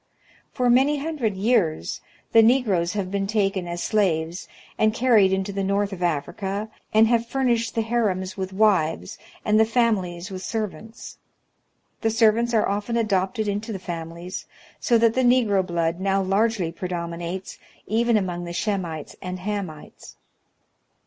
For many hundred years ttfe Negroes have been taken as slaves, and carried into the north of Africa, and have furnished the harems with wives, and the families with servants. The servants are often adopted into the families, so that the Negro blood now largely predominates even among the Shemites and Hamites.